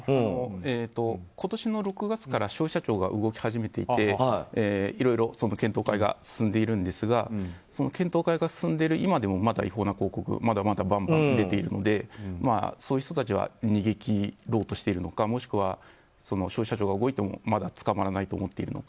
今年の６月から消費者庁が動き始めていていろいろ検討会が進んでいるんですが検討会が進んでいる今でもまだ違法は広告はバンバン出ているのでそういう人たちは逃げ切ろうとしているのか消費者庁が動いても捕まらないと思っているのか。